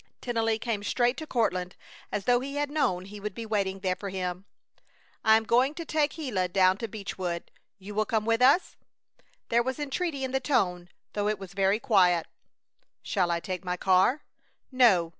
Tennelly came straight to Courtland, as though he had known he would be waiting there for him. "I am going to take Gila down to Beechwood. You will come with us?" There was entreaty in the tone, though it was very quiet. "Shall I take my car?" "No.